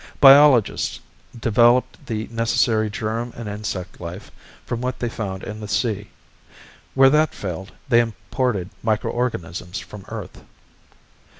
Biologists developed the necessary germ and insect life from what they found in the sea. Where that failed, they imported microorganisms from Earth.